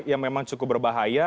yang memang cukup berbahaya